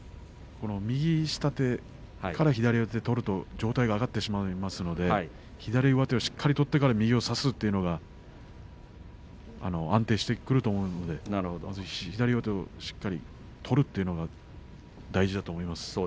右下手から左四つを取ると上体が上がってしまいますので左上手をしっかり取ってから右を差すというのが安定してくると思うので、ぜひ左上手をしっかり取るというのが大事だと思います。